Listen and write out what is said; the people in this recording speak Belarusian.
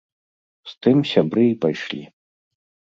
З тым сябры і пайшлі.